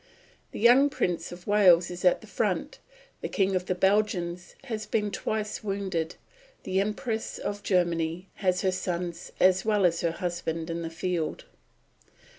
The young Prince of Wales is at the front; the King of the Belgians has been twice wounded; the Empress of Germany has her sons as well as her husband in the field.